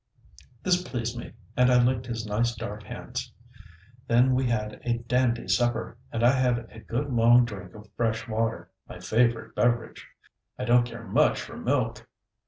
This pleased me, and I licked his nice, dark hands. Then we had a dandy supper, and I had a good long drink of fresh water my favourite beverage. I don't care much for milk.